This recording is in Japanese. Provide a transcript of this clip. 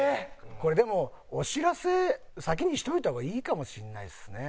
これでもお知らせ先にしといた方がいいかもしれないですね。